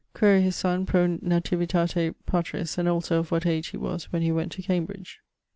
Quaere his sonne pro nativitate patris and also of what age he was when he went to Cambridge.